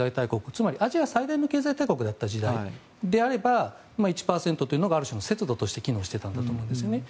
つまりアジア最大の経済大国だった時代であれば１％というのがある種の節度として機能していたんだと思うんです。